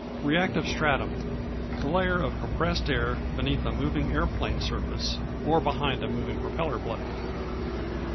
Reactive Stratum The layer of compressed air beneath a moving aeroplane surface, or behind a moving propeller blade.